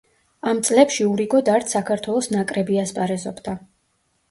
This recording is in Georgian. ამ წლებში ურიგოდ არც საქართველოს ნაკრები ასპარეზობდა.